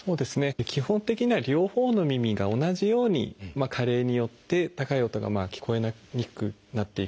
基本的には両方の耳が同じように加齢によって高い音が聞こえにくくなっていく。